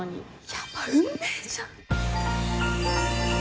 やっぱ、運命じゃん。